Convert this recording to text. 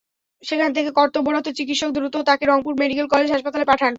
সেখান থেকে কর্তব্যরত চিকিৎসক দ্রুত তাঁকে রংপুর মেডিকেল কলেজ হাসপাতালে পাঠান।